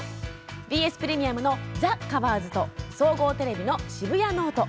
ＢＳプレミアムの「ＴｈｅＣｏｖｅｒｓ」と総合テレビの「シブヤノオト」。